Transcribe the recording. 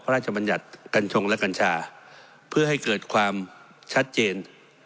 บรรยัติกัญชงและกัญชาเพื่อให้เกิดความชัดเจน